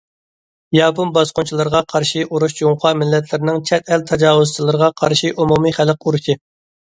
ياپون باسقۇنچىلىرىغا قارشى ئۇرۇش جۇڭخۇا مىللەتلىرىنىڭ چەت ئەل تاجاۋۇزچىلىرىغا قارشى ئومۇمىي خەلق ئۇرۇشى.